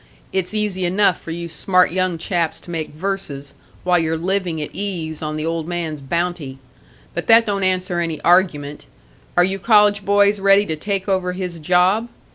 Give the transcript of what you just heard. "It's easy enough for you smart young chaps to make verses, while you're living at ease on the old man's bounty. But that don't answer any argument. Are you college boys ready to take over his job?